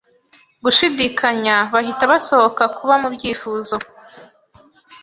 gushidikanya Bahita Basohoka Kuba mubyifuzo